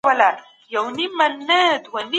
افغان شاګردان د سولي په نړیوالو خبرو کي برخه نه لري.